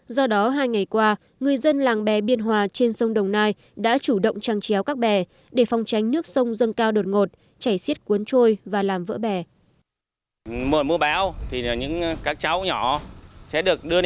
do đó hai ngày qua người dân làng bè biên hòa trên sông đồng nai đã chủ động trăng chéo các bè để phong tránh nước sông dâng cao đột ngột chảy xiết cuốn trôi và làm vỡ bè